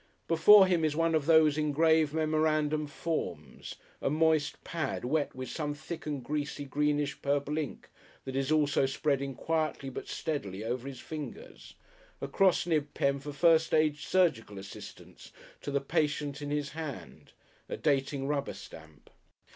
Before him is one of those engraved memorandum forms, a moist pad, wet with some thick and greasy greenish purple ink that is also spreading quietly but steadily over his fingers, a cross nibbed pen for first aid surgical assistance to the patient in his hand, a dating rubber stamp.